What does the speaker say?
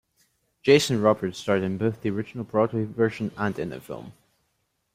Jason Robards starred in both the original Broadway version and in the film.